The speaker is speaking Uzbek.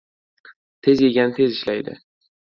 • Tez yegan tez ishlaydi.